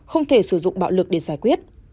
không thể sử dụng bạo lực để giải quyết